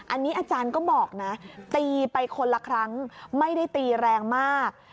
อันนี้อาจารย์ก็บอกนะตีไปคนละครั้งไม่ได้ตีแรงมาก